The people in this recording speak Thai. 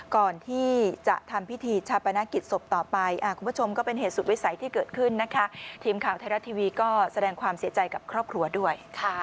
ครีมข่าวไทยรัฐทีวีก็แสดงความเสียใจกับครอบครัวด้วย